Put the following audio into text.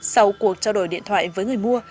sau cuộc trao đổi điện thoại với người mua